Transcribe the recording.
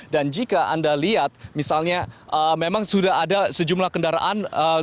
dan jika anda lihat misalnya memang sudah ada sejumlah kendaraan